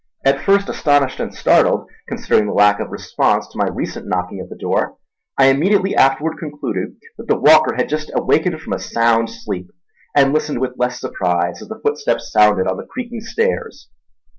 At first astonished and startled, considering the lack of response to my recent knocking at the door, I immediately afterward concluded that the walker had just awakened from a sound sleep; and listened with less surprise as the footsteps sounded on the creaking stairs.